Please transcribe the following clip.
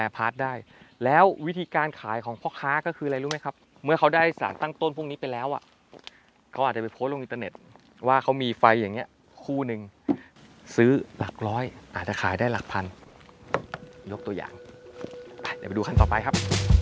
พาสได้แล้ววิธีการขายของพ่อค้าก็คืออะไรรู้ไหมครับเมื่อเขาได้สารตั้งต้นพวกนี้ไปแล้วอ่ะเขาอาจจะไปโพสต์ลงอินเทอร์เน็ตว่าเขามีไฟอย่างเงี้ยคู่หนึ่งซื้อหลักร้อยอาจจะขายได้หลักพันยกตัวอย่างไปเดี๋ยวไปดูขั้นต่อไปครับ